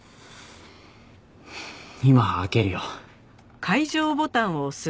今開けるよ。